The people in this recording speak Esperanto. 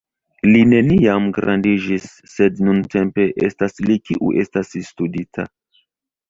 Li neniam gradiĝis, sed nuntempe estas li kiu estas studita.